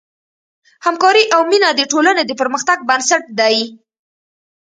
همکاري او مینه د ټولنې د پرمختګ بنسټ دی.